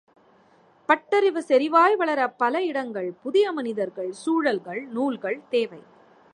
பட்டறிவு செறிவாய் வளர பல இடங்கள், புதிய மனிதர்கள், சூழல்கள், நூல்கள் தேவை